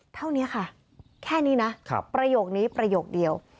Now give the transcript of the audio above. เท่านี้ค่ะแค่นี้นะประโยคนี้ประโยคเดียว